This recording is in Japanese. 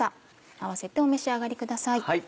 併せてお召し上がりください。